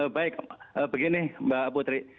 baik begini mbak putri